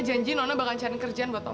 kemarin itu memang hari terakhir pak maman